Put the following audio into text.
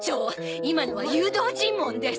今のは誘導尋問です！